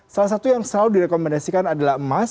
salah satu yang selalu direkomendasikan adalah emas